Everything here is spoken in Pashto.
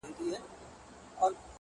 چي یې لاره کي پیدا وږی زمری سو.!